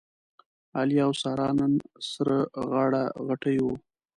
علي او ساره نن سره غاړه غټۍ و.